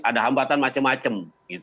ada hambatan macam macam